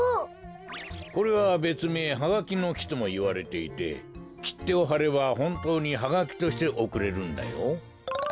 これはべつめいハガキの木ともいわれていてきってをはればほんとうにハガキとしておくれるんだよ。